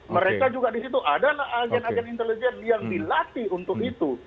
mereka juga di situ adalah agen agen intelijen yang dilatih untuk itu